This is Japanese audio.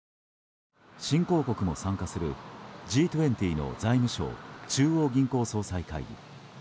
新興国も参加する、Ｇ２０の財務相・中央銀行総裁会議。